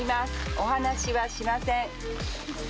お話はしません。